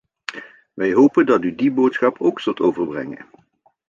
Wij hopen dat u die boodschap ook zult overbrengen.